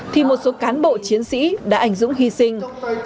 thì một số cán bộ chiến sĩ đã ảnh dũng hy sinh